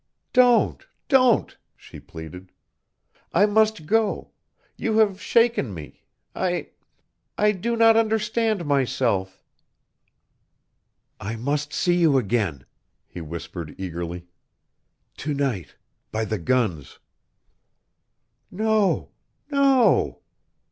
"Don't! don't!" she pleaded. "I must go you have shaken me I I do not understand myself " "I must see you again," he whispered eagerly. "To night by the guns." "No, no!"